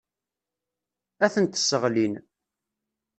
Ad tent-sseɣlin.